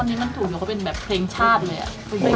ตอนนี้มันถูกเหลือว่าเป็นแบบเพลงชาติเลย